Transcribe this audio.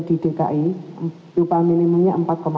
di dki upah minimumnya